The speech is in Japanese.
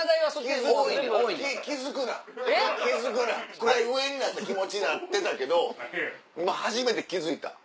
これ上になった気持ちになってたけど今初めて気付いた。